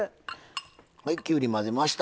はいきゅうり混ぜました。